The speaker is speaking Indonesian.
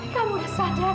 kamu udah sadar